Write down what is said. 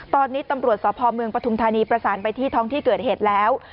ตอนนี้ตำรวจสพเมืองปฐุมธานีประสานไปที่ท้องที่เกิดเหตุแล้ว